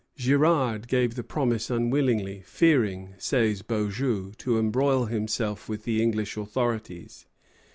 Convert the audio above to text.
Girard gave the promise unwillingly, fearing, says Beaujeu, to embroil himself with the English authorities.